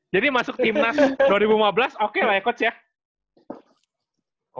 jadi masuk tim nas dua ribu lima belas oke lah ya coach ya